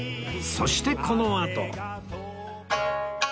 そしてこのあと